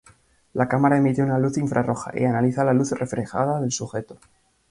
La cámara emite una luz infrarroja y analiza la luz reflejada del sujeto.